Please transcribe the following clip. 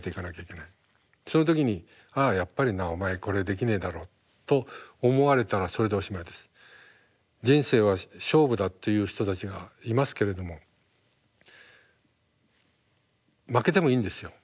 その時に「ああやっぱりなお前これできねえだろう」と思われたらそれでおしまいです。人生は勝負だっていう人たちがいますけれども負けてもいいんですよ。